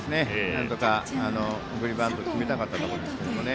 なんとか送りバント決めたかったところですけどね。